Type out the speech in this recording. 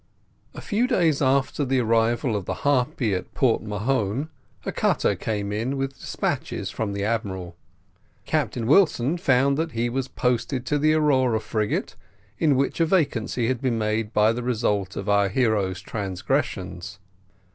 A few days after the arrival of the Harpy at Port Mahon, a Cutter came in with despatches from the admiral. Captain Wilson found that he was posted into the Aurora frigate, in which a vacancy had been made by the result of our hero's transgressions.